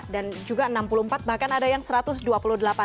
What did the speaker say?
dan juga enam puluh empat gb bahkan ada yang satu ratus dua puluh delapan gb